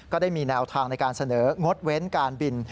ก็ได้มีแนวทางในการเสนองดเว้นการบิน